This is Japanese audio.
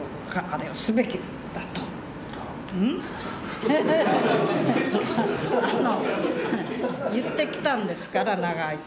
あの言ってきたんですから長いこと。